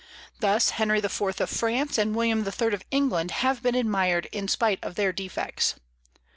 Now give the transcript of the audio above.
Thus, Henry IV. of France, and William III. of England have been admired in spite of their defects.